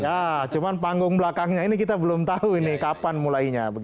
ya cuma panggung belakangnya ini kita belum tahu ini kapan mulainya